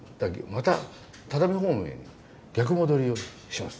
また只見方面へ逆戻りをします。